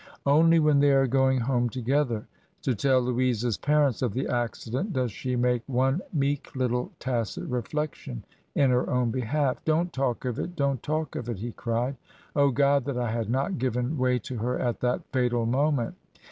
Only when they are going home together, to tell Louisa's parents of the accident, does she make one meek little tacit reflection in her own behalf. "'Don't talk of it, don't talk of it,' he cried. 'Oh, God, that I had not given way to her at that fatal moment!